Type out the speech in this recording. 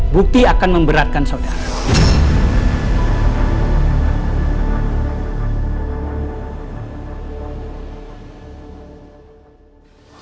bukti akan memberatkan saudara